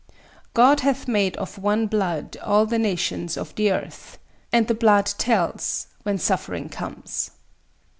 "God hath made of one blood all the nations of the earth," and the blood "tells" when suffering comes.